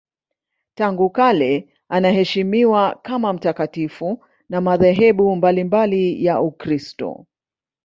Tangu kale anaheshimiwa kama mtakatifu na madhehebu mbalimbali ya Ukristo.